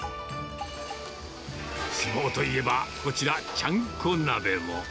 相撲といえば、こちら、ちゃんこ鍋も。